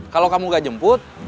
kalau kamu gak jemput